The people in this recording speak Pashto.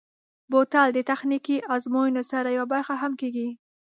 بوتل د تخنیکي ازموینو یوه برخه هم کېږي.